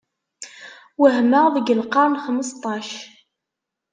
Wehmeɣ deg lqern xmesṭac.